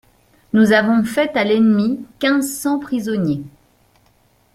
Nous avons fait à l'ennemi quinze cents prisonniers.